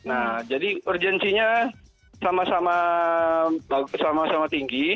nah jadi urgensinya sama sama tinggi